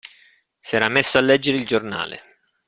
S'era messo a leggere il giornale.